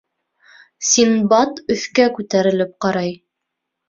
Синдбад өҫкә күтәрелеп ҡарай.